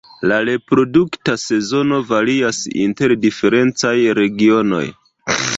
La reprodukta sezono varias inter diferencaj regionoj.